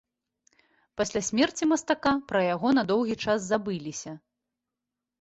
Пасля смерці мастака пра яго на доўгі час забыліся.